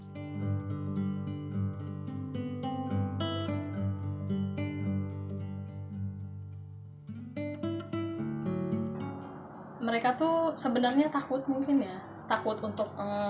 mereka tuh sebenarnya takut mungkin ya